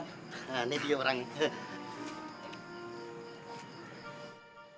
nah nih dia orangnya